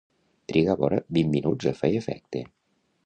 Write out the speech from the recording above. Triga vora vint minuts a fer efecte.